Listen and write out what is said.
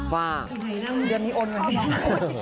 วันนี้อ่อนเหมือนกัน